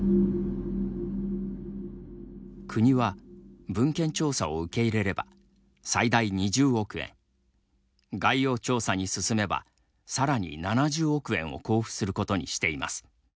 国は、文献調査を受け入れれば最大２０億円概要調査に進めばさらに７０億円を交付することにしています。